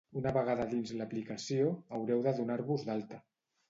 Una vegada dins l’aplicació, haureu de donar-vos d’alta.